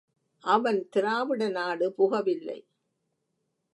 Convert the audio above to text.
அவன் திராவிடநாடு புகவில்லை!